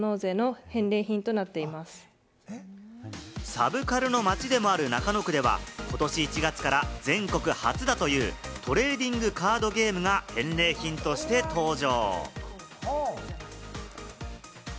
サブカルの街でもある中野区では、ことし１月から全国初だというトレーディングカードゲームが返礼品として登場。